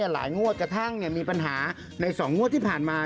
หลายงวดกระทั่งมีปัญหาใน๒งวดที่ผ่านมา